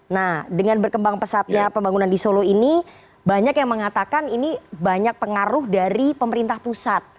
nah dengan berkembang pesatnya pembangunan di solo ini banyak yang mengatakan ini banyak pengaruh dari pemerintah pusat